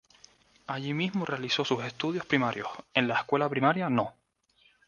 Allí mismo realizó sus estudios primarios, en la Escuela Primaria No.